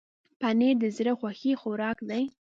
پنېر د زړه خوښي خوراک دی.